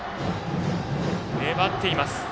粘っています。